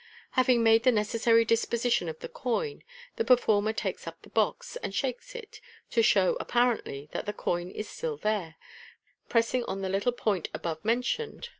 Having made the necessary disposition of the coin, the performer takes up the box, and shakes it, to show (apparently) that the coin is still there, pressing on the little point above mentioned Fig.